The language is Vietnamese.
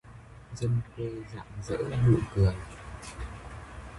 Dân quê rạng rỡ nụ cười